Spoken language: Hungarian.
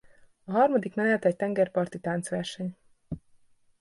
A harmadik menet egy tengerparti táncverseny.